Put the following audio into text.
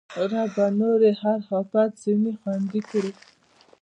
ربه! نور یې هر اپت ځنې خوندي کړې